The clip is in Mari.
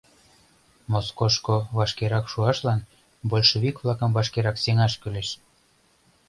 Москошко вашкерак шуашлан большевик-влакым вашкерак сеҥаш кӱлеш.